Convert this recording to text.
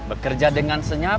bekerja dengan senyap